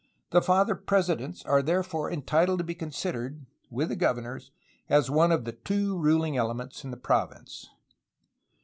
The Father Presidents are therefore entitled to be considered, with the governors, as one of the two ruling elements in the province.